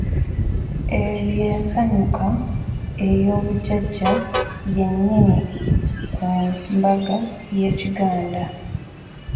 Eyo ye nsanyuka ey’obujjajja yennyini ku mbaga y’Ekiganda.